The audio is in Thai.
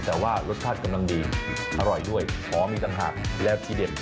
แต่ว่ารสชาติกำลังดีอร่อยด้วยหอมมีจังหาดและกีเด็ด